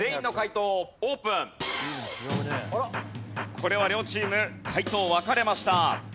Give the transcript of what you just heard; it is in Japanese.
これは両チーム解答分かれました。